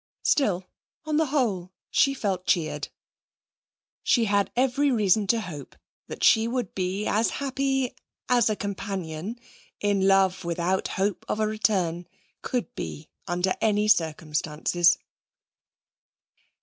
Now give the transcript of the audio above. Still, on the whole she felt cheered. She had every reason to hope that she would be as happy as a companion, in love without hope of a return, could be under any circumstances.